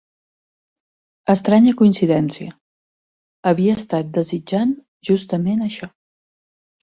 Estranya coincidència; havia estat desitjant justament això.